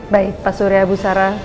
baik pak surya bu sarah